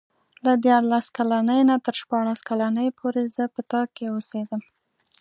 له دیارلس کلنۍ نه تر شپاړس کلنۍ پورې زه په تا کې اوسېدم.